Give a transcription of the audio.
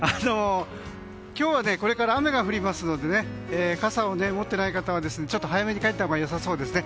今日はこれから雨が降りますので傘を持っていない方は早めに帰ったほうがよさそうですね。